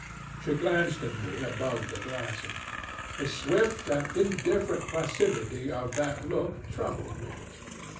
She glanced at me above the glasses. The swift and indifferent placidity of that look troubled me.